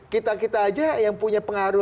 kita kita aja yang punya pengaruh